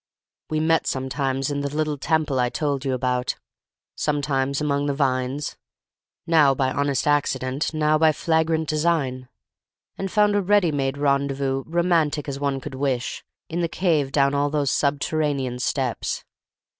"We met sometimes in the little temple I told you about, sometimes among the vines; now by honest accident, now by flagrant design; and found a ready made rendezvous, romantic as one could wish, in the cave down all those subterranean steps.